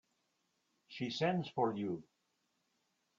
She sends for you.